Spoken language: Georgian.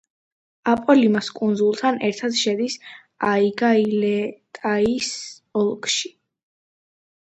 აპოლიმას კუნძულთან ერთად შედის აიგა-ი-ლე-ტაის ოლქში.